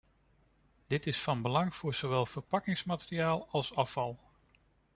Dat is van belang voor zowel verpakkingsmateriaal als afval.